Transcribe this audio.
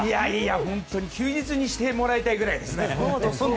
本当に休日にしてもらいたいくらいですね！